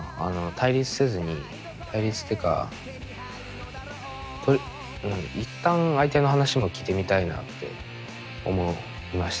対立せずに対立っていうか一旦相手の話も聞いてみたいなって思いました。